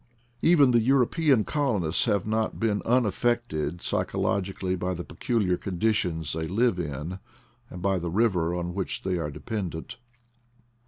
Even the European colonists have not been un affected psychologically by the peculiar conditions they live in, and by the river, on which they are dependent.